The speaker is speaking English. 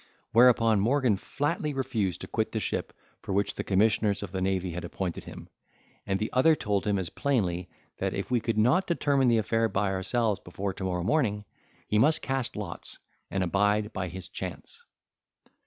Whereupon Morgan flatly refused to quit the ship for which the commissioners of the navy had appointed him; and the other told him as plainly, that if we could not determine the affair by ourselves before to morrow morning, he must cast lots, and abide by his chance.